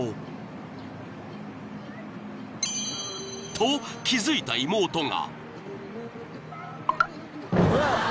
［と気付いた妹が］